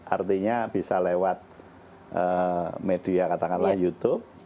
artinya bisa lewat media katakanlah youtube